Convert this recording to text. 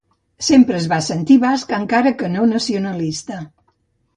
Sempre es va sentir basc, encara que no nacionalista.